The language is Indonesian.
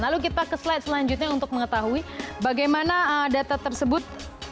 lalu kita ke slide selanjutnya untuk mengetahui bagaimana data tersebut